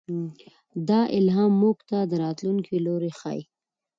دا الهام موږ ته د راتلونکي لوری ښيي.